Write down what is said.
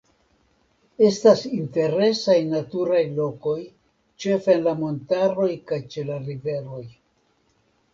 Estas interesaj naturaj lokoj ĉefe en la montaroj kaj ĉe la riveroj.